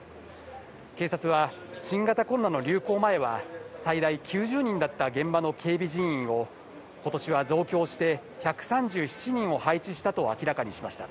警察は新型コロナの流行前は最大９０人だった現場の警備人員を今年は増強して１３７人を配置したと明らかにしました。